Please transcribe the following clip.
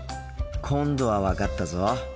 今度は分かったぞ。